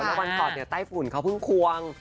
แล้ววันก่อนไต้ฝุ่นเขาเพิ่งควง